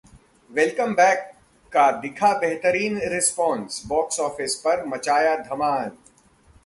'welcome back' का दिखा बेहतरीन रिस्पॉन्स, बॉक्स ऑफिस पर मचाया धमाल